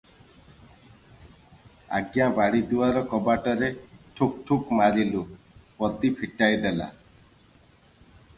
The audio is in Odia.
"ଆଜ୍ଞା ବାଡିଦୁଆର କବାଟରେ ଠୁକ୍ ଠୁକ୍ ମାରିଲୁ, ପଦୀ ଫିଟାଇ ଦେଲା ।"